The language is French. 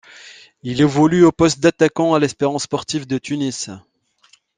Il évolue au poste d'attaquant à l'Espérance sportive de Tunis.